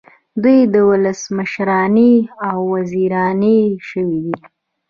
دوی ولسمشرانې او وزیرانې شوې دي.